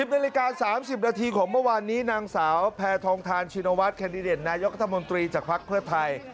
นาฬิกา๓๐นาทีของเมื่อวานนี้นางสาวแพทองทานชินวัฒนแคนดิเดตนายกรัฐมนตรีจากภักดิ์เพื่อไทย